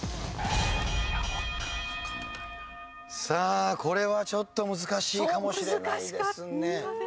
さあこれはちょっと難しいかもしれないですね。